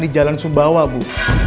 di jalan sumbawa bu